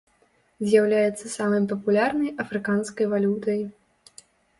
З'яўляецца самай папулярнай афрыканскай валютай.